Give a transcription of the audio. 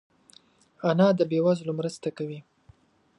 انا د بې وزلو مرسته کوي